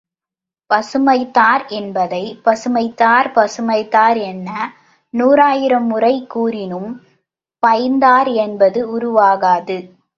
பசுமை தார் என்பதைப் பசுமைத்தார் பசுமைத்தார் என நூறாயிரம் முறை கூறினும் பைந்தார் என்பது உருவாகாது.